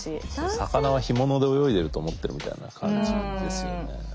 魚は干物で泳いでると思ってるみたいな感じですよね。